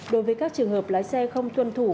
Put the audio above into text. đối với các trường hợp lái xe không tuân thủ